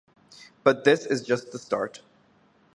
But this is just the start.